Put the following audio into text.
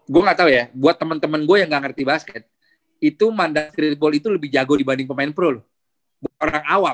gue gak tau ya buat temen temen gue yang gak ngerti basket itu mandat skritbol itu lebih jago dibanding pemain pro loh